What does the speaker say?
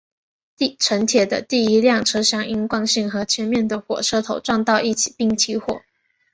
城铁的第一辆车厢因惯性和前面的火车头撞到一起并起火。